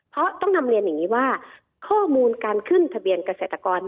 เพราะต้องนำเรียนอย่างนี้ว่าข้อมูลการขึ้นทะเบียนเกษตรกร